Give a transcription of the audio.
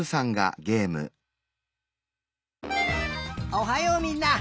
おはようみんな。